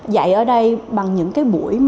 dạy ở đây bằng những cái bộ phim